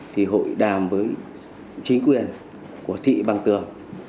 thì hội đàm với chính quyền của thị bằng tường